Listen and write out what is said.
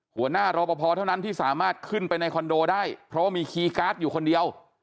หัวหน้ารอปภเท่านั้นที่สามารถขึ้นไปในคอนโดได้เพราะว่ามีคีย์การ์ดอยู่คนเดียว